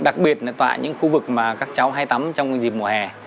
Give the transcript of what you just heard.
đặc biệt là tại những khu vực mà các cháu hay tắm trong dịp mùa hè